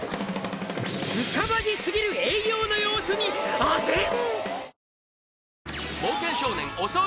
「すさまじすぎる営業の様子にあぜん！？」